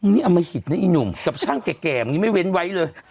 นี่อมหิตนะอีหนุ่มกับช่างแก่มึงยังไม่เว้นไว้เลย